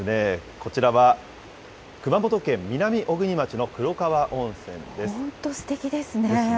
こちらは熊本県南小国町の黒川温泉です。ですね。